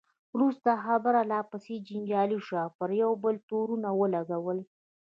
وروسته خبره لا پسې جنجالي شوه، پر یو بل یې تورونه ولګول.